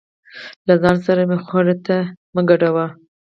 له ځان سره مې خړو ته مه ګډوه.